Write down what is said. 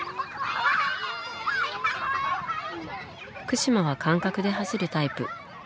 福島は感覚で走るタイプ。